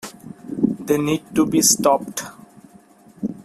They need to be stopped.